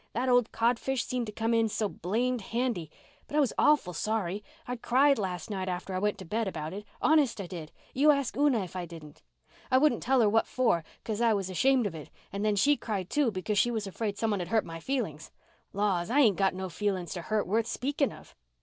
That old codfish seemed to come in so blamed handy. But I was awful sorry—I cried last night after I went to bed about it, honest I did. You ask Una if I didn't. I wouldn't tell her what for 'cause I was ashamed of it, and then she cried, too, because she was afraid someone had hurt my feelings. Laws, I ain't got any feelings to hurt worth speaking of.